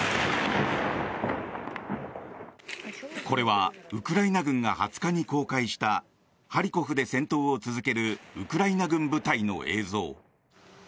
これはウクライナ軍が２０日に公開したハリコフで戦闘を続けるウクライナ軍部隊の映像。